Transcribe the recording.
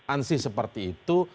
an sih seperti itu